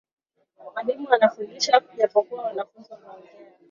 Mwalimu anafundisha japokuwa wanafunzi wanaongea.